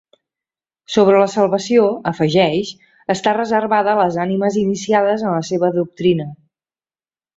Sobre la salvació, afegeix, està reservada a les ànimes iniciades en la seva doctrina.